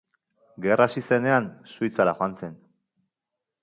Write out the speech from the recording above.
Gerra hasi zenean, Suitzara joan zen.